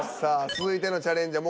続いてのチャレンジャー